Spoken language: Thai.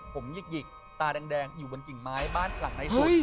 ผมหยิกตาแดงอยู่บนกิ่งไม้บ้านหลังในสุด